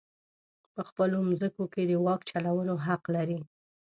په خپلو مځکو کې د واک چلولو حق لري.